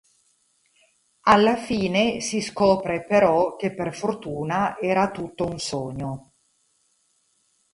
Alla fine si scopre però che per fortuna era tutto un sogno.